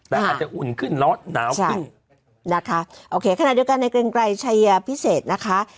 แต่อาจจะอุ่นขึ้นร้อนหนาวขึ้นนะคะโอเคขณะเดียวกันในเกรงไกรชัยยาพิเศษนะคะ